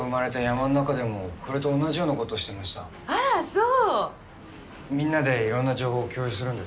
みんなでいろんな情報を共有するんです。